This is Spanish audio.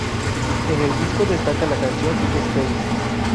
En el disco destaca la canción "Space".